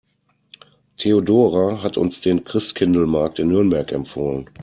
Theodora hat uns den Christkindlesmarkt in Nürnberg empfohlen.